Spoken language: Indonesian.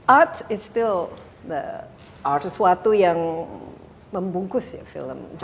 art is still sesuatu yang membungkus ya film joko